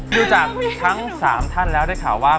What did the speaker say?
ดูจากทั้ง๓ท่านแล้วได้ข่าวว่า